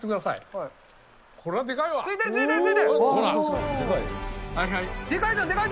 はい。